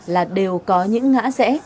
là đều có những ngã rẽ